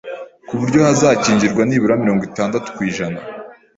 ku buryo hazakingirwa nibura mirongo itadatu kwijana